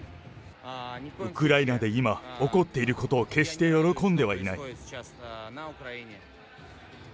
ウクライナで今起こっていることを決して喜んではいない。